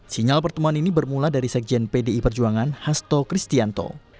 sinyal pertemuan ini bermula dari sekjen pdi perjuangan hasto kristianto